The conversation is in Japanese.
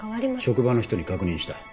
職場の人に確認した。